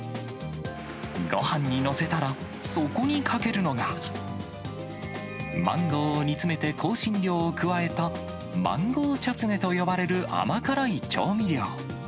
ごはんに載せたら、そこにかけるのが、マンゴーを煮詰めて香辛料を加えた、マンゴーチャツネと呼ばれる甘辛い調味料。